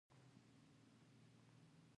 د آوازونو غږیز نږدېوالی د تېروتنې لامل ګرځي